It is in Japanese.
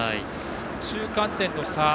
中間点の差